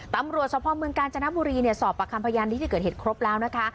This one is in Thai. ตำรวจสภาพเมืองกาญจนบุรีสอบประคำพยานที่ที่เกิดเหตุครบแล้วนะคะ